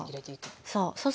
そう。